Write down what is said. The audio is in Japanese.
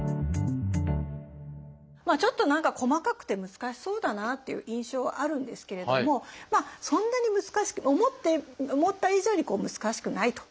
ちょっと何か細かくて難しそうだなっていう印象はあるんですけれどもそんなに難しく思った以上に難しくないと。